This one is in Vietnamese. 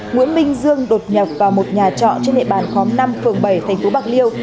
nguyễn minh dương đột nhập vào một nhà trọ trên địa bàn khóm năm phường bảy thành phố bạc liêu